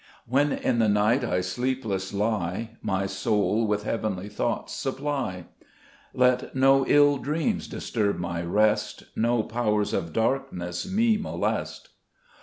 5 When in the night I sleepless lie, My soul with heavenly thoughts supply ; Let no ill dreams disturb my rest, No powers of darkness me molest.